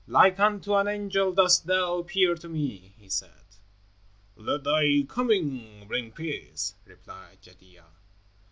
"Like unto an angel dost thou appear to me," he said. "Let thy coming bring peace," replied Jadua.